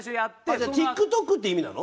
じゃあ「ＴｉｋＴｏｋ」っていう意味なの？